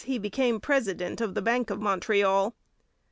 In 1876 he became president of the Bank of Montreal.